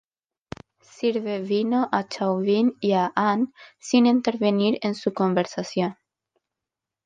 Sirve vino a Chauvin y a Anne sin intervenir en su conversación.